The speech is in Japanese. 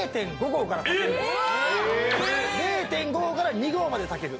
０．５合から２合まで炊ける。